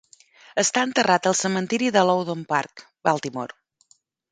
Està enterrat al cementiri de Loudon Park, Baltimore.